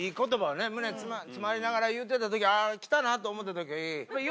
胸詰まりながら言うてたときあぁきたなと思うてたとき。